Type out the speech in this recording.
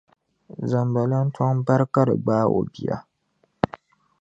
zambalan' tɔŋ bari ka di gbaai o bia.